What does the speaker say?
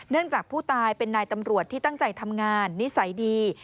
จากผู้ตายเป็นนายตำรวจที่ตั้งใจทำงานนิสัยดี